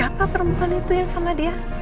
apa perempuan itu yang sama dia